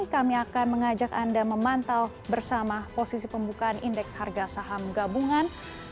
kami akan mengajak anda memantau bersama posisi pembukaan indeks harga saham gabungan